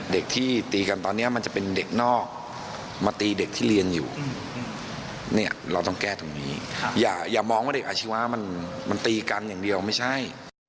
เด็กที่ตีกันตอนนี้มันจะเป็นเด็กนอกมาตีเด็กที่เรียนอยู่เนี่ยเราต้องแก้ตรงนี้อย่ามองว่าเด็กอาชีวะมันตีกันอย่างเดียวไม่ใช่